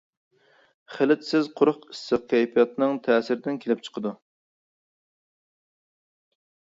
خىلىتىسىز قۇرۇق ئىسسىق كەيپىياتنىڭ تەسىرىدىن كېلىپ چىقىدۇ.